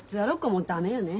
もう駄目よね。